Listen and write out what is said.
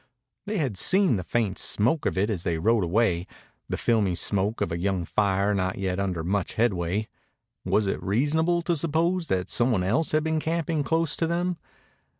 They had seen the faint smoke of it as they rode away, the filmy smoke of a young fire not yet under much headway. Was it reasonable to suppose that some one else had been camping close to them?